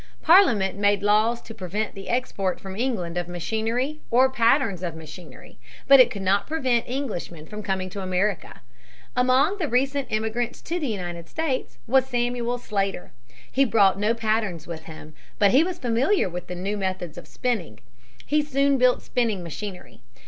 Parliament made laws to prevent the export from England of machinery or patterns of machinery. But it could not prevent Englishmen from coming to America. Among the recent immigrants to the United States was Samuel Slater. He brought no patterns with him. But he was familiar with the new methods of spinning. He soon built spinning machinery.